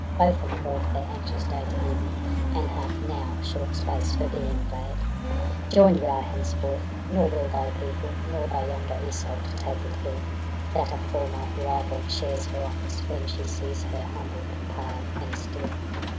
Both have brought their anxious day to evening, And have now short space for being glad ! Join'd we are henceforth; nor will thy people. Nor thy younger Iseult take it ill. That a former rival shares her office. When she sees her humbled, pale, and still.